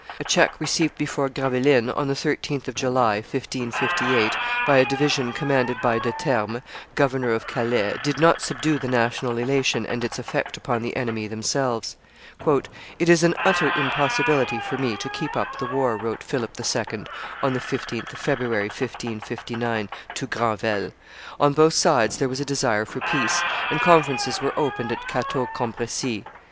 A check received before Gravelines, on the 13th of July, 1558, by a division commanded by De Termes, governor of Calais, did not subdue the national elation and its effect upon the enemy themselves. "It is an utter impossibility for me to keep up the war," wrote Philip II., on the 15th of February, 1559, to Granvelle. On both sides there was a desire for peace; and conferences were opened at Cateau Cambresis.